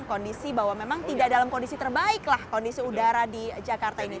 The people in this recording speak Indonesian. kondisi bahwa memang tidak dalam kondisi terbaiklah kondisi udara di jakarta ini